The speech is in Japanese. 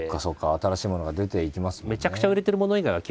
新しいものが出ていきますもんね。